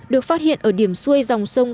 được phát hiện ở điểm xuôi dòng sông